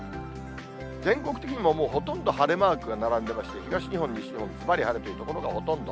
全国的にもほとんど晴れマークが並んでまして、東日本、西日本ずばり晴れという所がほとんど。